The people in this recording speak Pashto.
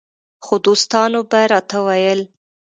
خو دوستانو به راته ویل